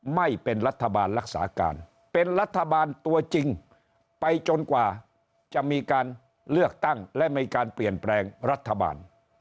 ไม่เป็นรัฐบาลรักษาการเป็นรัฐบาลตัวจริงไปจนกว่าจะมีการเลือกตั้งและมีการเปลี่ยนแปลงรัฐบาล